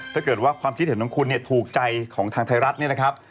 ถ้าเกิดว่าความคิดเห็นของคุณเนี่ยถูกใจของทางไทยรัฐเนี่ยนะครับ